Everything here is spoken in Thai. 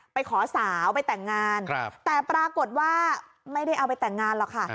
ไปขอสาวไปแต่งงานแต่ปรากฏว่าไม่ได้เอาไปแต่งงานหรอกค่ะ